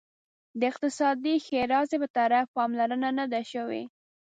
د اقتصادي ښیرازي په طرف پاملرنه نه ده شوې.